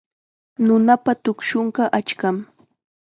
Nunapa tuqshunqa achkam.